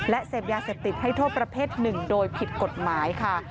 และเสพยาเสพติดให้โทษประเภทหนึ่งโดยผิดกฎหมายค่ะ